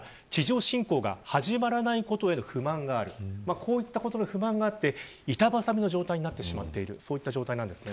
こういったことに不満があって板挟みの状態になってしまっている状態です。